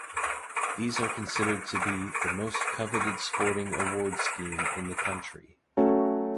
These are considered to be "the most coveted sporting award scheme in the country".